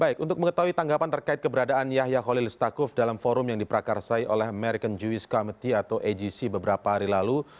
baik untuk mengetahui tanggapan terkait keberadaan yahya khalilistakuf dalam forum yang diperakarsai oleh american jewiss committee atau agc beberapa hari lalu